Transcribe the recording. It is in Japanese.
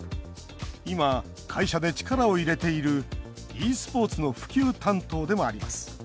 今、会社で力を入れているｅスポーツの普及担当でもあります